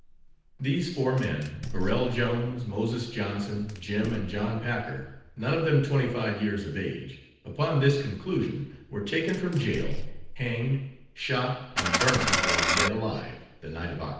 These four men, Berrell Jones, Moses Johnson, Jim and John Packer, none of them twenty five years of age, upon this conclusion, were taken from jail, hanged, shot, and burned while yet alive the night of Oct.